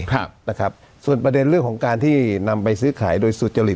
ครับนะครับส่วนประเด็นเรื่องของการที่นำไปซื้อขายโดยสุจริต